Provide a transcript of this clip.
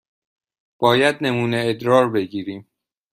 باید نمونه ادرار بگیریم.